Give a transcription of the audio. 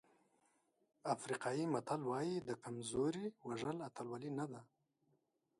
افریقایي متل وایي د کمزوري وژل اتلولي نه ده.